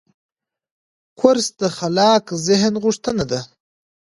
کورس د خلاق ذهن غوښتنه ده.